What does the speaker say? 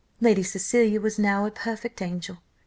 Lady Cecilia was now a perfect angel.